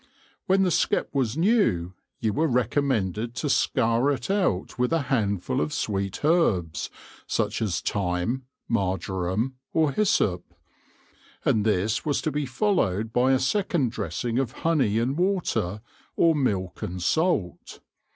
When the skep was new, you were recommended to scour it out with a handful of sweet herbs, such as thyme, marjoram, or hyssop ; and this was to be followed by a second dressing of honey and water, or milk and salt.